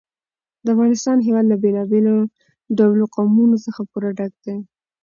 د افغانستان هېواد له بېلابېلو ډولو قومونه څخه پوره ډک دی.